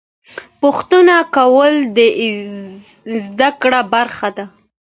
پوښتنه کول د زده کړې برخه ده.